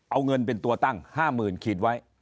เอาเงินเป็นตัวตั้ง๕๐๐๐๐ล้านคิดไว้